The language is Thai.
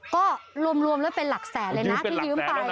ก็รวมแล้วเป็นหลักแสนเลยนะที่ยืมไป